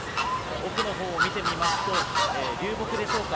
奥のほうを見てみますと流木でしょうか